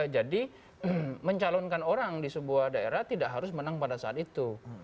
jadi mencalonkan orang di sebuah daerah tidak harus menang pada saat itu